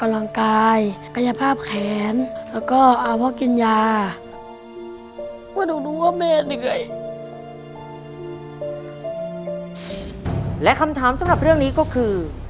และคำถามสำหรับเรื่องนี้ก็คือ